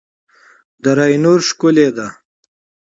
دره نور ښکلې ده؟